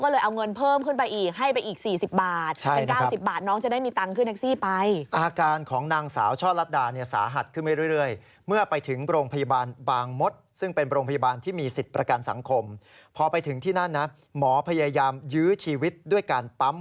หนูมีตังค์อยู่เท่าไรน้องมองว่ามีอยู่๕๐บาท